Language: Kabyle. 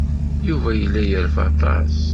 Yuba yella yerfa aṭas.